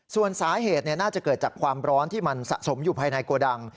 ส่วนสาเหตุน่าจะเกิดจากความร้อนที่มันสะสมอยู่ภายในโกดัง